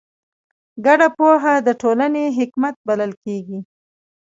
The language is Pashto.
ګډه پوهه د ټولنې حکمت بلل کېږي.